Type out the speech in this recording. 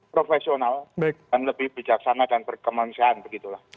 profesional dan lebih bijaksana dan berkemanusiaan begitulah